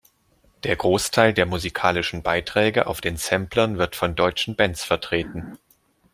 Der Großteil der musikalischen Beiträge auf den Samplern wird von deutschen Bands vertreten.